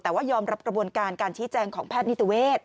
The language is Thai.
แต่ว่ายอมรับกระบวนการการชี้แจงของแพทย์นิติเวศ